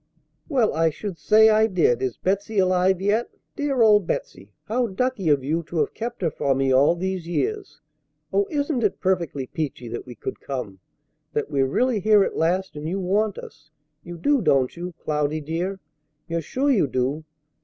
"Well, I should say I did! Is Betsey alive yet? Dear old Betsey! How ducky of you to have kept her for me all these years! Oh, isn't it perfectly peachy that we could come? That we're really here at last, and you want us? You do, don't you, Cloudy, dear? You're sure you do?"